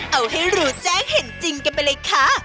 เอาให้รู้แจ้งเห็นจริงกันไปเลยค่ะ